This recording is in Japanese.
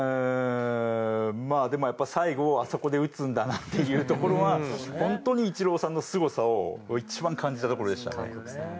まあでもやっぱ最後あそこで打つんだなっていうところは本当にイチローさんのすごさを一番感じたところでしたね。